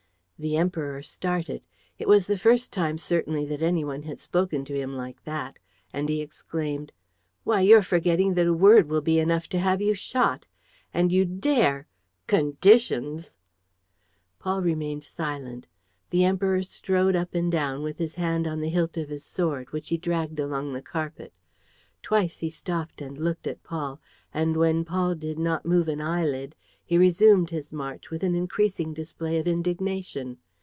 The Emperor started. It was the first time certainly that any one had spoken to him like that; and he exclaimed: "Why, you're forgetting that a word will be enough to have you shot! And you dare! Conditions! ..." Paul remained silent. The Emperor strode up and down, with his hand on the hilt of his sword, which he dragged along the carpet. Twice he stopped and looked at Paul; and, when Paul did not move an eyelid, he resumed his march, with an increasing display of indignation.